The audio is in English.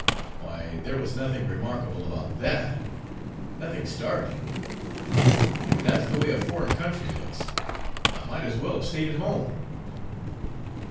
Why, there was nothing remarkable about that; nothing startling. If that's the way a foreign country looks, I might as well have staid at home.